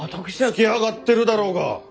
つけあがってるだろうが！